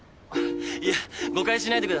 いや誤解しないでください。